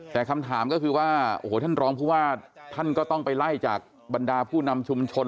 แต่คำถามก็คือว่าโอ้โหท่านรองผู้ว่าท่านก็ต้องไปไล่จากบรรดาผู้นำชุมชน